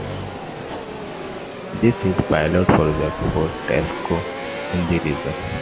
This is a pilot project for Tesco in the region.